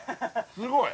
すごい！